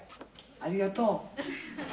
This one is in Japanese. ありがとう」